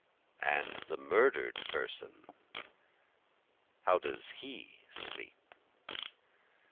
And the murder'd person, how does he sleep?